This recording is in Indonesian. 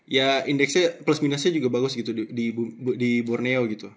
ya indeksnya plus minusnya juga bagus gitu di borneo gitu